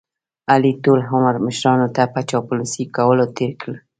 علي ټول عمر مشرانو ته په چاپلوسۍ کولو تېر کړ.